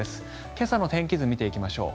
今朝の天気図見ていきましょう。